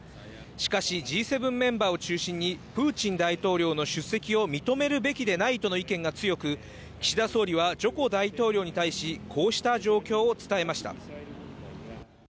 しかし、Ｇ７メンバーを中心に、プーチン大統領の出席を認めるべきでないとの意見が強く、岸田総理はジョコ大統領に対し、こうした状況を伝えました。